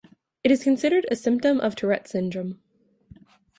It is considered a symptom of Tourette syndrome.